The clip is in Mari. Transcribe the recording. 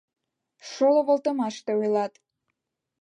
Шоло волтымаште ойлат.